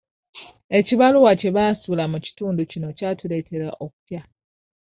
Ekibaluwa kye baasuula mu kitundu kino kyatuleetera okutya.